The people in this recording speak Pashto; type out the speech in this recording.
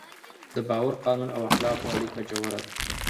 د باور، قانون او اخلاقو اړیکه ژوره ده.